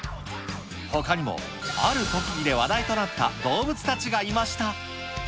ほかにもある特技で話題となった動物たちがいました。